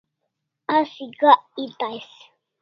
Asi gak eta ais